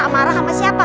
marah sama siapa